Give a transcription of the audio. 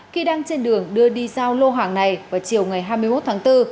khi đang trên đường đưa đi giao lô hàng này vào chiều ngày hai mươi một tháng bốn